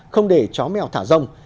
không để chó mèo thả rông